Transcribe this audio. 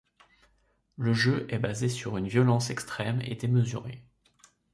Le jeu est basé sur une violence extrême et démesurée.